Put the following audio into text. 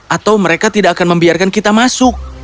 atau mereka tidak akan membiarkan kita masuk